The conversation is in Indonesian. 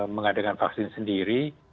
mengadakan vaksin sendiri